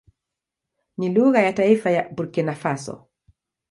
Ni lugha ya taifa ya Burkina Faso.